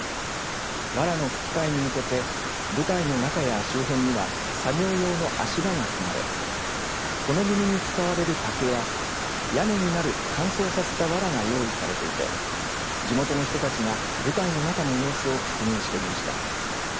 わらのふき替えに向けて舞台の中や周辺には作業用の足場が組まれ骨組みに使われる竹や屋根になる乾燥させたわらが用意されていて地元の人たちが舞台の中の様子を確認していました。